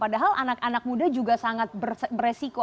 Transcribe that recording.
padahal anak anak muda juga sangat beresiko